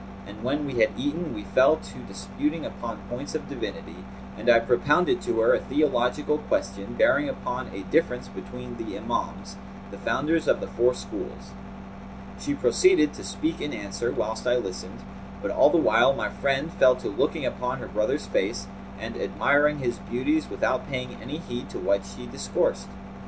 And when we had eaten we fell to disputing upon points of divinity, and I propounded to her a theological question bearing upon a difference between the Imams, the Founders of the Four Schools. She proceeded to speak in answer, whilst I listened; but all the while my friend fell to looking upon her brother's face and admiring his beauties without paying any heed to what she discoursed.